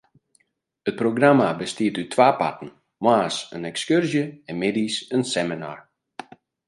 It programma bestiet út twa parten: moarns in ekskurzje en middeis in seminar.